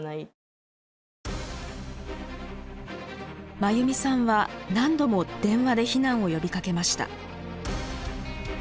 真由美さんは何度も電話で避難を呼びかけました。